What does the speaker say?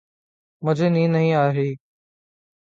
مجھے نیند نہیں آ رہی۔